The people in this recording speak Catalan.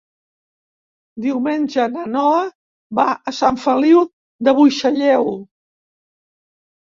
Diumenge na Noa va a Sant Feliu de Buixalleu.